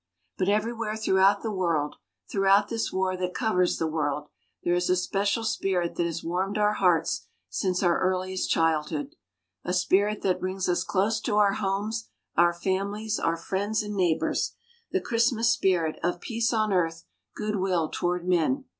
But everywhere throughout the world throughout this war that covers the world there is a special spirit that has warmed our hearts since our earliest childhood a spirit that brings us close to our homes, our families, our friends and neighbors the Christmas spirit of "peace on earth, good will toward men."